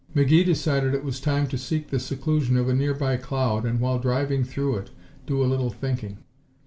McGee decided it was time to seek the seclusion of a nearby cloud and while driving through it, do a little thinking.